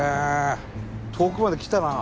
遠くまで来たな。